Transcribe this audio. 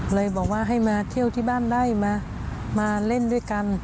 เลยบอกว่าให้มาเที่ยวที่บ้านได้มาเล่นด้วยกัน